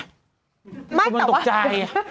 คนมันตกใจ